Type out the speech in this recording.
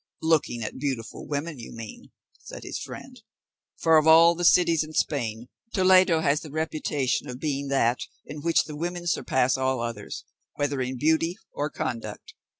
"Looking at beautiful women, you mean," said his friend, "for of all the cities in Spain, Toledo has the reputation of being that in which the women surpass all others, whether in beauty or conduct.